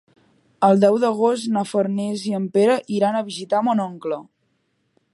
El deu d'agost na Farners i en Pere iran a visitar mon oncle.